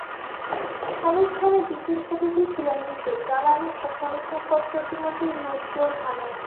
অনুষ্ঠানে বিশেষ অতিথি ছিলেন বিদ্যুৎ, জ্বালানি ও খনিজসম্পদ প্রতিমন্ত্রী নসরুল হামিদ।